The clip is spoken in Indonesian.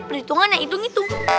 perhitungan yang hitung hitung